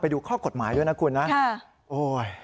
ดูข้อกฎหมายด้วยนะคุณนะโอ้ย